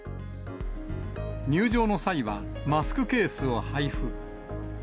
入場の際は、マスクケースを配布。